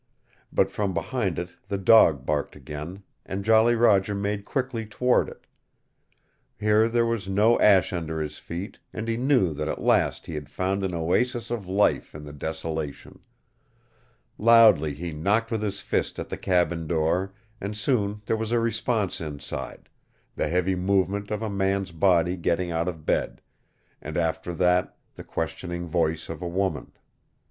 But from behind it the dog barked again, and Jolly Roger made quickly toward it. Here there was no ash under his feet, and he knew that at last he had found an oasis of life in the desolation. Loudly he knocked with his fist at the cabin door and soon there was a response inside, the heavy movement of a man's body getting out of bed, and after that the questioning voice of a woman.